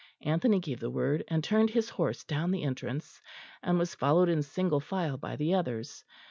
Anthony gave the word and turned his horse down the entrance, and was followed in single file by the others.